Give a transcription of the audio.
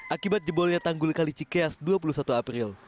akibat jebolnya tanggul kali cikeas dua puluh satu april